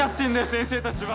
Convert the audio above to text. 先生たちは。